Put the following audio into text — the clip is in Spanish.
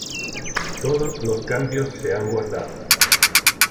Todos los cambios se han guardado